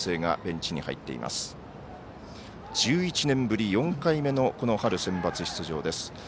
１１年ぶり４回目の春センバツ出場です。